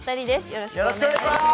よろしくお願いします。